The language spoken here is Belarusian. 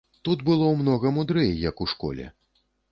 Тут было многа мудрэй, як у школе.